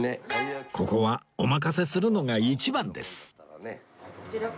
ここはお任せするのが一番です